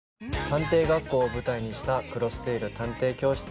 探偵学校を舞台にした『クロステイル探偵教室』